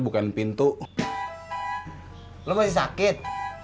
bukan pintu lo sakit